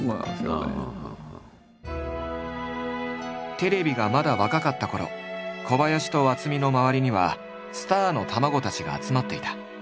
テレビがまだ若かったころ小林と渥美の周りにはスターの卵たちが集まっていた。